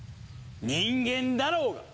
人間だろうが！